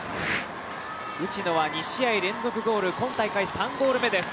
内野は２試合連続ゴール、今大会３ゴール目です。